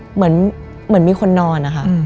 เหมือนมีคนนอนนะคะ